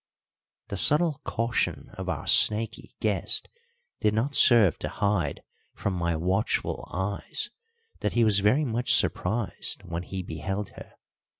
The subtle caution of our snaky guest did not serve to hide from my watchful eyes that he was very much surprised when he beheld her.